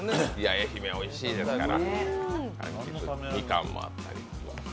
愛媛おいしいですから。